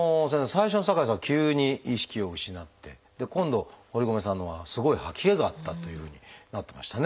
最初の酒井さんは急に意識を失ってで今度堀米さんのほうはすごい吐き気があったというふうになってましたね。